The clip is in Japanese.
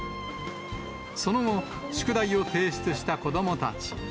その後、宿題を提出した子どもたち。